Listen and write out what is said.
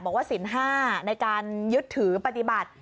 บอกว่าสิน๕ในการยึดถือปฏิบัติ